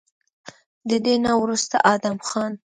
د دې نه وروستو ادم خان